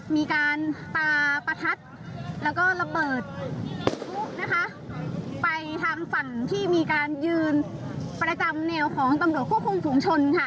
มีการประทัดและระเบิดไปทางฝั่งที่มีการยืนประจำแนวของตำรวจควบคุมสูงชน